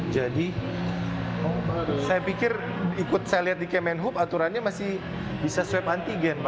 jadi saya pikir ikut saya lihat di kemenhub aturannya masih bisa swipe antigen pak